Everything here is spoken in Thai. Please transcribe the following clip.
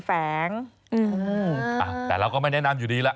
แต่เราก็ไม่แนะนำอยู่ดีแล้ว